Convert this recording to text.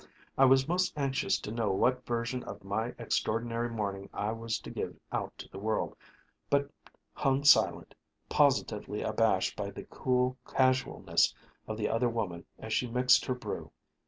I was most anxious to know what version of my extraordinary morning I was to give out to the world, but hung silent, positively abashed by the cool casualness of the other woman as she mixed her brew.